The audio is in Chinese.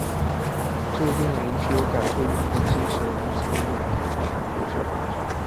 具有令人感佩之运动精神而足为中华民国国民效法者。